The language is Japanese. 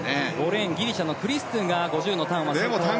５レーンギリシャのクリストゥが５０ｍのターンは。